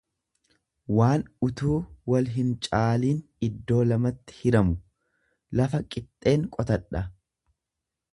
waan utuu wal hincaalin iddoo lamatti hiramu; Lafa qixxeen qotadha.